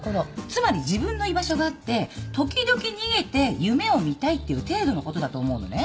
つまり自分の居場所があって時々逃げて夢を見たいっていう程度のことだと思うのね。